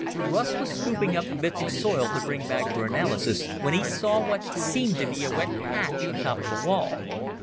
Russ was scooping up bits of soil to bring back for analysis when he saw what seemed to be a wet patch on top of the wall.